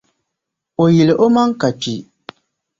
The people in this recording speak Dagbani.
o yil’ omaŋ’ ka kpi.